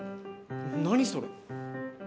何それ。